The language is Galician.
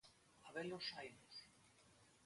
Habelos, hainos.